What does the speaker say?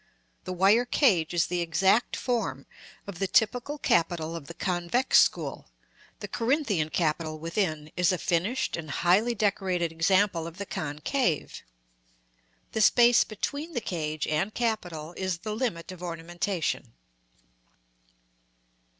The wire cage is the exact form of the typical capital of the convex school; the Corinthian capital, within, is a finished and highly decorated example of the concave. The space between the cage and capital is the limit of ornamentation.